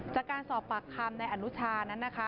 จากการสอบปากคำในอนุชานั้นนะคะ